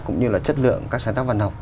cũng như là chất lượng các sáng tác văn học